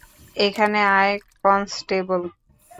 এখানে আয় কনস্টেবল।